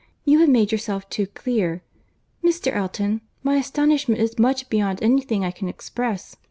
You have made yourself too clear. Mr. Elton, my astonishment is much beyond any thing I can express.